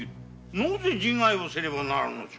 なぜ自害せねばならぬのじゃ？